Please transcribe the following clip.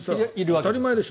当たり前でしょ。